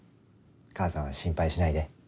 母さんは心配しないで。